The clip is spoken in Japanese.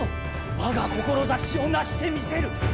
我が志をなしてみせる！